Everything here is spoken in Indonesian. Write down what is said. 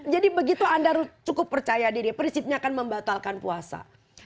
jadi begitu anda cukup percaya diri prinsipnya akan membatalkan puasa